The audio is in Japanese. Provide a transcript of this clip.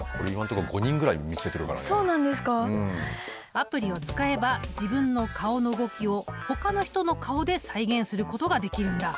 アプリを使えば自分の顔の動きをほかの人の顔で再現することができるんだ。